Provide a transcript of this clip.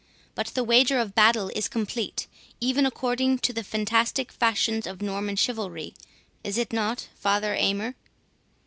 But the wager of battle is complete, even according to the fantastic fashions of Norman chivalry—Is it not, Father Aymer?"